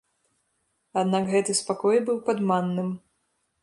Аднак гэты спакой быў падманным.